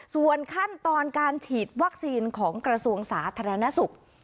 ส่วนขั้นตอนการฉีดวัคซีนของกระทรวงสาธารณสุข